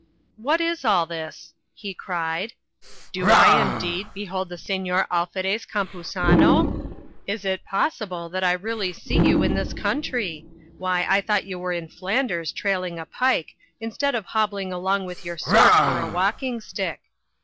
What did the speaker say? "What; is all this?" he cried; "do I, indeed, behold the Señor Alferez Campuzano? Is it possible that I really see you in this country? Why, I thought you were in Flanders trailing a pike, instead of hobbling along with your sword for a walking stick.